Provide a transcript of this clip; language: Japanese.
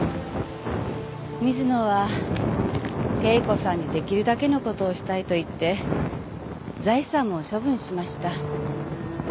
水野は圭子さんに出来るだけの事をしたいと言って財産も処分しました。